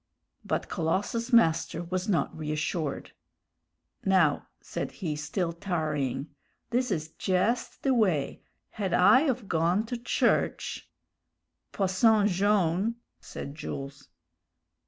But Colossus's master was not reassured. "Now," said he, still tarrying, "this is jest the way; had I of gone to church " "Posson Jone' " said Jules.